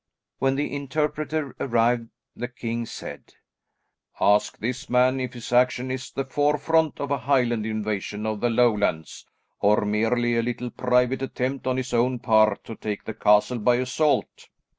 When the interpreter arrived, the king said, "Ask this man if his action is the forefront of a Highland invasion of the Lowlands, or merely a little private attempt on his own part to take the castle by assault?"